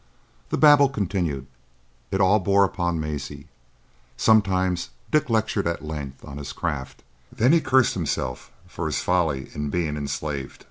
The babble continued. It all bore upon Maisie. Sometimes Dick lectured at length on his craft, then he cursed himself for his folly in being enslaved.